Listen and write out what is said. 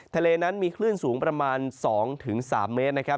ทะเลนั้นมีคลื่นสูงประมาณ๒๓เมตรนะครับ